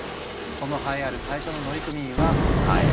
その栄えある最初の乗組員はハエ。